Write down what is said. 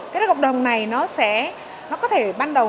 cái cộng đồng này nó có thể ban đầu